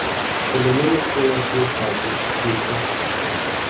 Polo menos eu así o fago, dixo.